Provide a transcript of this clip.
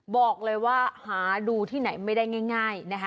บอกเลยว่าหาดูที่ไหนไม่ได้ง่ายนะคะ